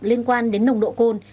liên quan đến nồng độ côn